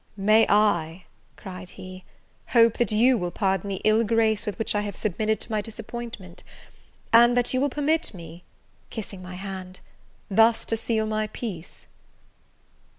"May I," cried he, "hope that you will pardon the ill grace with which I have submitted to my disappointment? And that you will permit me (kissing my hand) thus to seal my peace?"